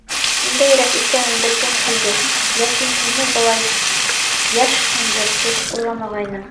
Ниндәйерәк икәнен белгем килде, ләкин һине былай йәшһеңдер, тип уйламағайным.